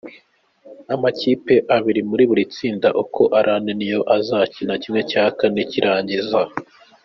Amakipe abiri muri buri tsinda uko ari ane niyo azakina ¼ cy’irangiza.